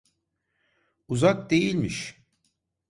Uzak değilmiş!